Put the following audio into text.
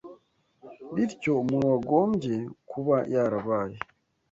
bityo umuntu wagombye kuba yarabaye